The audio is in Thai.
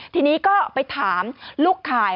ทีนี้ก็ไปถามลูกขาย